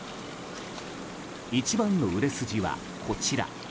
一番の売れ筋は、こちら。